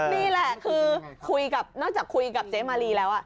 นี่แหละคือคุยกับนอกจากคุยกับเจ๊มารีแล้ว